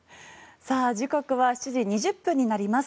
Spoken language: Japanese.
時刻は７時２０分になります。